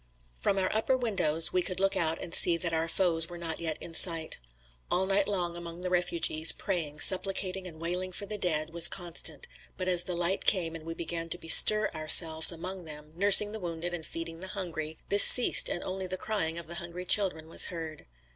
From our upper windows we could look out and see that our foes were not yet in sight. All night long among the refugees, praying, supplicating and wailing for the dead, was constant, but as the light came and we began to bestir ourselves among them, nursing the wounded and feeding the hungry, this ceased and only the crying of the hungry children was heard.